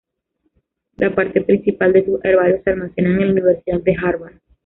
La parte principal de sus herbarios se almacenan en la Universidad de Harvard.